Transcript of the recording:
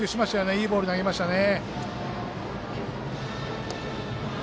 いいボール投げましたね。